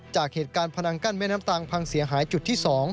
จากเหตุการณ์พนังกั้นแม่น้ำตางพังเสียหายจุดที่๒